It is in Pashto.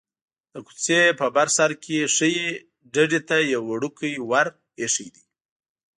د کوڅې په بر سر کې ښيي ډډې ته یو وړوکی ور ایښی دی.